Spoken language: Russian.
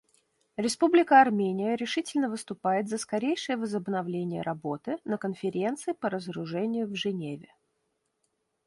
Республика Армения решительно выступает за скорейшее возобновление работы на Конференции по разоружению в Женеве.